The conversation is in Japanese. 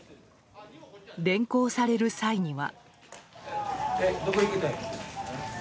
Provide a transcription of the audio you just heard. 連行される際には。